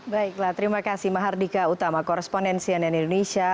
baiklah terima kasih mahardika utama korespondensi ann indonesia